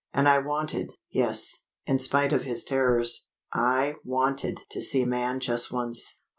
And I wanted yes, in spite of his terrors I wanted to see man just once.